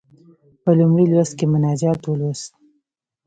په لومړي لوست کې مناجات ولوست.